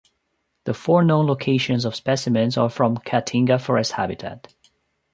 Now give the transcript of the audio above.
The four known locations of specimens are from Caatinga forest habitat.